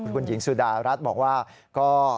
คุณหญิงสุดารัฐบอกว่าก็